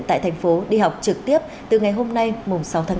tại thành phố đi học trực tiếp từ ngày hôm nay mùng sáu tháng bốn